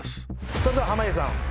それでは濱家さん。